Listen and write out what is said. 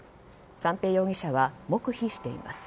三瓶容疑者は黙秘しています。